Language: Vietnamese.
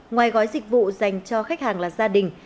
ngoài gói dịch vụ dành cho khách hàng là gia đình